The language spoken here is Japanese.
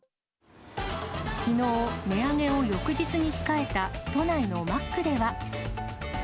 きのう、値上げを翌日に控えた都内のマックでは。